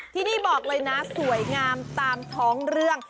ที่นี่บอกเลยนะสวยงามตามท้องเรื่อง